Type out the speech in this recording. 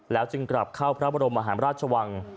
แล้วจึงกลับเข้าพระบรมราชวัง